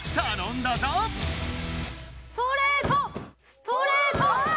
ストレート！